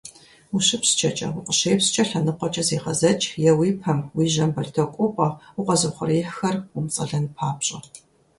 УщыпсчэкӀэ, укъыщепскӀэ лъэныкъуэкӀэ зегъэзэкӀ е уи пэм, уи жьэм бэлътоку ӀупӀэ, укъэзыухъуреихьхэр умыцӀэлэн папщӀэ.